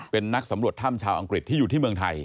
เป็นนักสำรวจถ้ำชาวอังกฤษที่อยู่ที่เมืองไทย